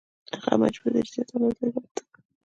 هغه مجبور دی چې زیاته اندازه یې ثابته کړي